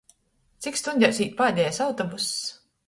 Cik stuņdēs īt pādejais autobuss?